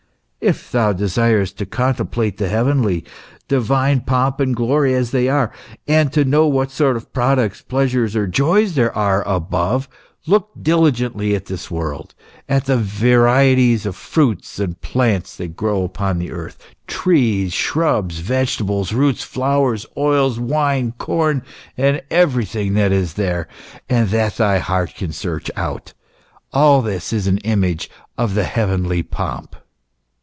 " If thou desirest to contemplate the heavenly, divine pomp and glory, as they are, and to know what sort of products, pleasure, or joys there are above : look diligently at this world, at the varieties of fruits and plants that grow upon the earth, trees, shrubs, vegetables, roots, flowers, oils, wines, corn, and everything that is there, and that thy heart can search out. All this is an image of the heavenly pomp."